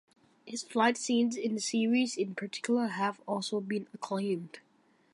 His fight scenes in the series, in particular, have also been acclaimed.